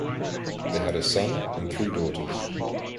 They had a son and three daughters.